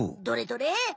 どれどれ？